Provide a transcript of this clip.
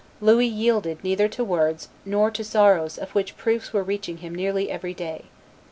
Louis yielded neither to words, nor to sorrows of which proofs were reaching him nearly every day.